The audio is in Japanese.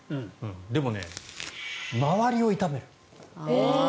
でもね、周りを傷める。